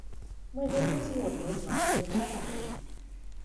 Мы вельмі згодныя з вашым меркаваннем.